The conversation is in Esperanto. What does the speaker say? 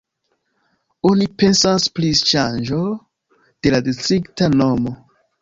Oni pensas pri ŝanĝo de la distrikta nomo.